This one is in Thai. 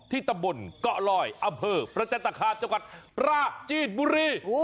ที่ตะบลก๊อร่อยอำเภอพระเจ้าตาคาจังหวัดปลาจินบุรี